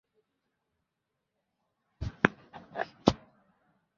আমরা বিষয়টি বার আউলিয়া হাইওয়ে থানা ও সীতাকুণ্ড থানায় লিখিতভাবে জানিয়েছি।